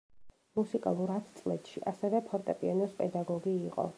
მუსიკალურ ათწლედში ასევე ფორტეპიანოს პედაგოგი იყო.